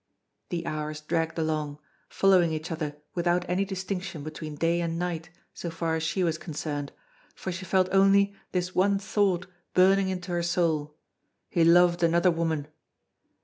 The hours dragged along, following each other without any distinction between day and night so far as she was concerned, for she felt only this one thought burning into her soul: he loved another woman.